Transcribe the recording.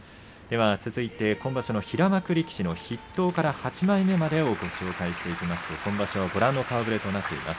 続いて今場所の平幕力士の筆頭から８枚目までをご紹介していきます。